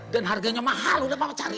dan harganya mahal udah papa cari